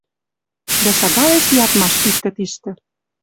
Дӓ шагалеш ядмаш иктӹ тиштӹ: